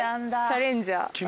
チャレンジャー。